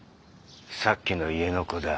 さっきの家の子だ。